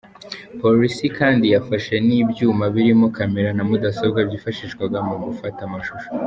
Polisi kandi yafashe n’ibyuma birimo camera na mudasobwa byifashishwaga mu gufata amashusho.